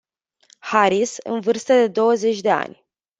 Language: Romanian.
Haris, în vârstă de douăzeci ani.